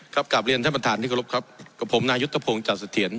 กลับเรียนท่านประธานที่เคารพครับกับผมนายุทธพงศ์จัดเสถียร